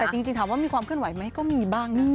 แต่จริงถามว่ามีความเคลื่อนไหวไหมก็มีบ้างนะ